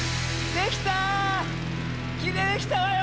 できたわよ！